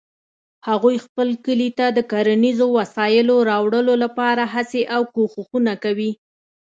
هغوی خپل کلي ته د کرنیزو وسایلو راوړلو لپاره هڅې او کوښښونه کوي